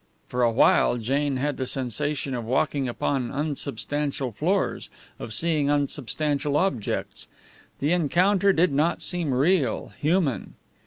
For a while Jane had the sensation of walking upon unsubstantial floors, of seeing unsubstantial objects. The encounter did not seem real, human.